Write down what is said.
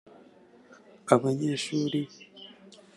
Abanyeshuri